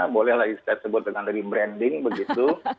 bolehlah saya sebut dengan rebranding begitu